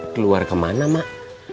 keluar kemana mak